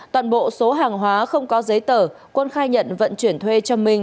toàn bộ số hàng hóa không có giấy tờ quân khai nhận vận chuyển thuê cho minh